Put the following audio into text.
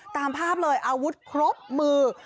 ตามภาพเลยอาวุธครบมือ